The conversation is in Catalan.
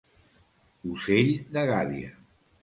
Ocell de gàbia.